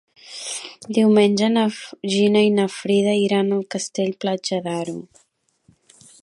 Diumenge na Gina i na Frida iran a Castell-Platja d'Aro.